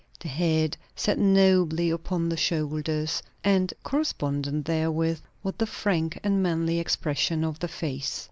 The head sat nobly upon the shoulders, and correspondent therewith was the frank and manly expression of the face.